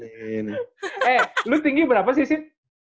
eh lu tinggi berapa sih sim